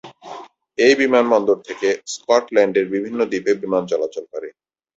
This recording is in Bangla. এই বিমানবন্দর থেকে স্কটল্যান্ডের বিভিন্ন দ্বীপে বিমান চলাচল করে।